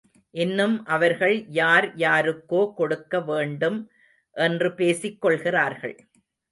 இன்னும் அவர்கள் யார் யாருக்கோ கொடுக்க வேண்டும் என்று பேசிக்கொள்கிறார்கள்.